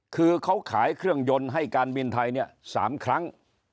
คือเขาขายเครื่องยนต์ให้การบินไทยเนี่ย๓ครั้ง